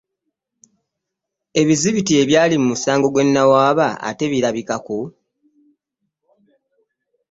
Ebizibiti ebyali mu musango gwe nawaaba ate birabikako!